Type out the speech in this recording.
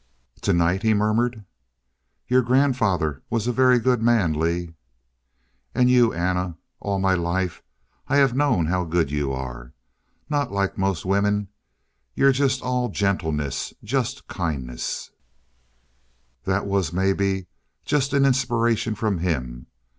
"Tonight?" he murmured. "Your grandfather was a very good man, Lee " "And you, Anna all my life I have known how good you are. Not like most women you're just all gentleness just kindness " "That was maybe just an inspiration from him."